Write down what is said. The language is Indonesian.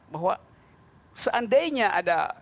bahwa seandainya ada